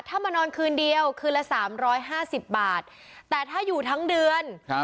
ถ้ามานอนคืนเดียวคืนละสามร้อยห้าสิบบาทแต่ถ้าอยู่ทั้งเดือนครับ